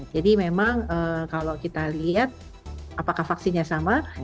jadi memang kalau kita lihat apakah vaksinnya sama